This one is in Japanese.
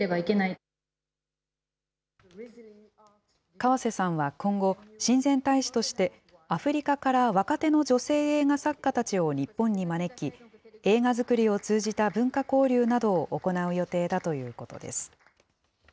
河瀬さんは今後、親善大使として、アフリカから若手の女性映画作家たちを日本に招き、映画作りを通じた文化交流などを行う予定だということです。